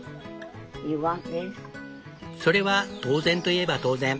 それは当然といえば当然。